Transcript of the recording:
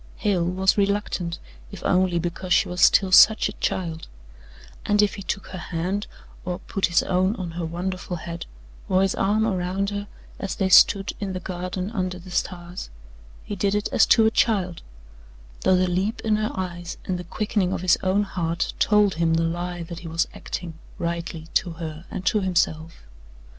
Hale was reluctant, if only because she was still such a child, and if he took her hand or put his own on her wonderful head or his arm around her as they stood in the garden under the stars he did it as to a child, though the leap in her eyes and the quickening of his own heart told him the lie that he was acting, rightly, to her and to himself.